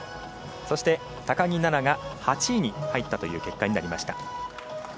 そして高木菜那が８位に入ったという結果になりました。